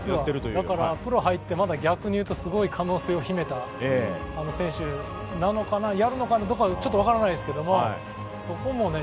だからプロ入って、逆に言うと、まだ可能性を秘めた選手なのかな、やるのかな、まだちょっと分からないですけどね